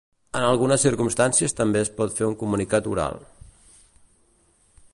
En algunes circumstancies també es pot fer un comunicat oral.